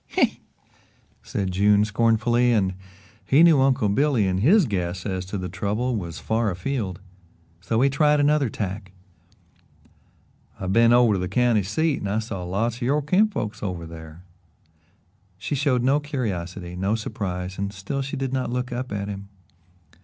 "Huh!" said June scornfully, and he knew Uncle Billy in his guess as to the trouble was far afield, and so he tried another tack. "I've been over to the county seat and I saw lots of your kinfolks over there." She showed no curiosity, no surprise, and still she did not look up at him.